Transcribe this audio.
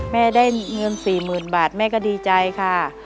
แม่ได้เงิน๔๐๐๐บาทแม่ก็ดีใจค่ะ